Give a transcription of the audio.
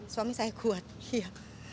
suami saya kuat ya